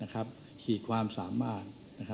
ขีดความสามารถ